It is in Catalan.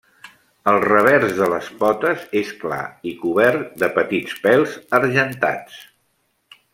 El revers de les potes és clar i cobert de petits pèls argentats.